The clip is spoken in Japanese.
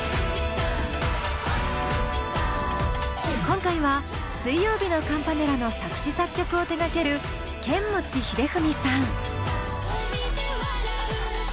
今回は水曜日のカンパネラの作詞・作曲を手がけるケンモチヒデフミさん。